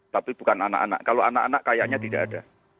tapi bukan anak anak kalau anak anak kayaknya tidak ada